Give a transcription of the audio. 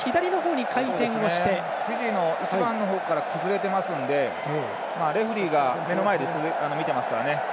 フィジーの１番の方から崩れてますのでレフリーが目の前で見ていますから。